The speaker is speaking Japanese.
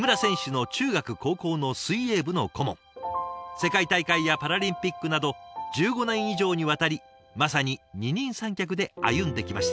世界大会やパラリンピックなど１５年以上にわたりまさに二人三脚で歩んできました。